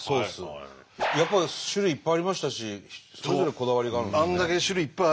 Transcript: やっぱり種類いっぱいありましたしそれぞれこだわりがあるんですね。